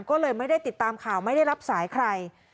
ก็เลยไม่ได้ติดตามข่าวไม่ได้รับสายใคร